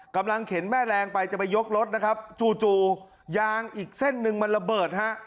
เข็นแม่แรงไปจะไปยกรถนะครับจู่จู่ยางอีกเส้นหนึ่งมันระเบิดฮะ